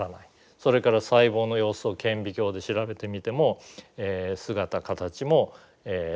それから細胞の様子を顕微鏡で調べてみても姿形も正常です。